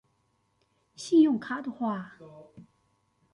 信用卡的話